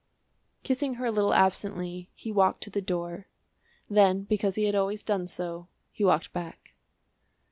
Kissing her a little absently he walked to the door; then because he had always done so, he walked back.